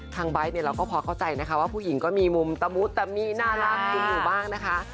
ทางบ๊ายต์เราก็พอเข้าใจนะคะว่าผู้หญิงก็มีมุมตะมุดแต่มีน่ารักดูดูบ้างนะคะ